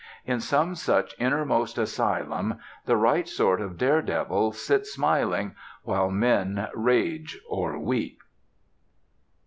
In some such innermost asylum the right sort of dare devil sits smiling, while men rage or weep.